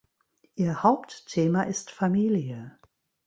Ihr Hauptthema ist Familie.